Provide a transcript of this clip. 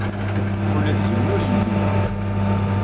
Ula d yiwen ur yelli da.